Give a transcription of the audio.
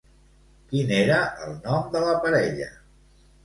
Quin era el nom de la parella?